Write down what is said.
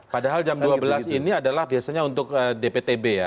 padahal jam dua belas ini adalah biasanya untuk dptb ya